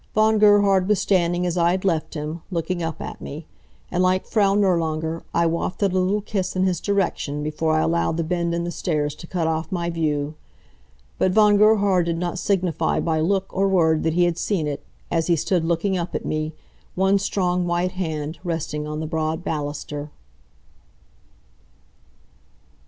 Von Gerhard was standing as I had left him, looking up at me. And like Frau Nirlanger, I wafted a little kiss in his direction, before I allowed the bend in the stairs to cut off my view. But Von Gerhard did not signify by look or word that he had seen it, as he stood looking up at me, one strong white hand resting on the broad baluster.